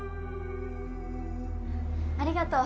ありがとう。